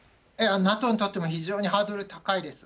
ＮＡＴＯにとっても非常にハードル高いです。